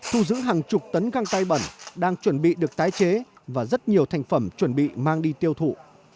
thu giữ hàng chục tấn găng tay bẩn đang chuẩn bị được tái chế và rất nhiều thành phẩm chuẩn bị mang đi tiêu thụ